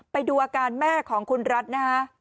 ไปดูอาการแม่ของคุณรัฐนะฮะ